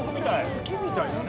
雪みたいだね。